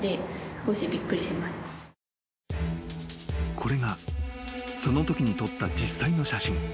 ［これがそのときに撮った実際の写真］